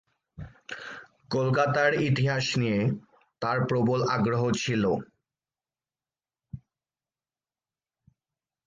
কলকাতার ইতিহাস নিয়ে তার প্রবল আগ্রহ ছিল।